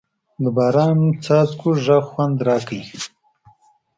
د باران څاڅکو غږ خوند راکړ.